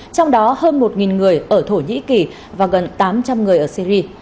trong đó hơn một người ở thổ nhĩ kỳ và gần tám trăm linh người ở syri